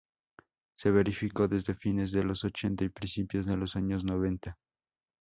Se verificó desde fines de los ochenta y principios de los años noventa.